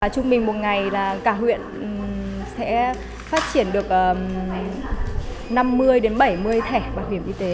trung bình một ngày là cả huyện sẽ phát triển được năm mươi bảy mươi thẻ bảo hiểm y tế